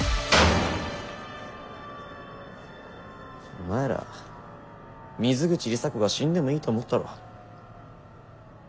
お前ら水口里紗子が死んでもいいと思ったろ。